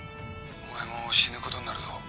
お前も死ぬことになるぞ。